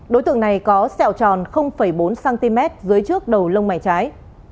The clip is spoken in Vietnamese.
đối tượng này có sẹo tròn bốn cm dưới trước đầu lông mày trái